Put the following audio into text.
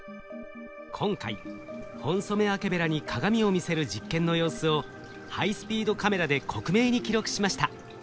今回ホンソメワケベラに鏡を見せる実験の様子をハイスピードカメラで克明に記録しました。